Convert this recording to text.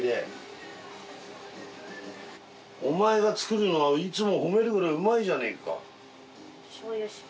お前が作るのはいつも褒めるぐらいうまいじゃねえか。